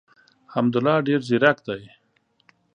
حمدالله ډېر زیرک دی.